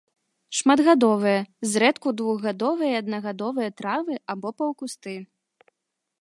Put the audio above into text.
Шматгадовыя, зрэдку двухгадовыя і аднагадовыя травы або паўкусты.